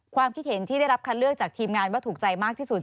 ความคิดเห็นที่ได้รับคัดเลือกจากทีมงานว่าถูกใจมากที่สุด